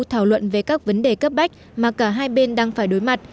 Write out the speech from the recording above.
thảo luận về các vấn đề cấp bách mà cả hai bên đang phải đối mặt